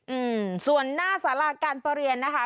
อืมส่วนหน้าสาราการประเรียนนะคะ